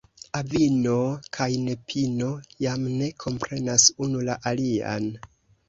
Avino kaj nepino jam ne komprenas unu la alian.